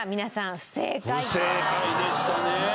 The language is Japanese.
不正解でしたね。